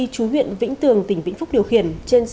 chú nguyễn vĩnh tường tỉnh vĩnh phúc điều khiển